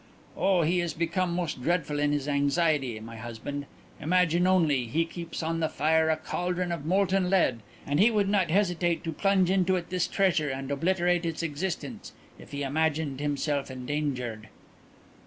Oh, he is become most dreadful in his anxiety, my husband. Imagine only, he keeps on the fire a cauldron of molten lead and he would not hesitate to plunge into it this treasure and obliterate its existence if he imagined himself endangered."